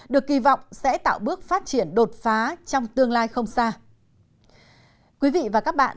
được kỳ vọng sẽ tạo bước phát triển đột phá trong tương lai không xa